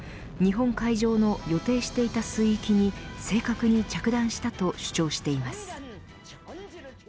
日本海上の予定していた水域に正確に着弾したと主張しています。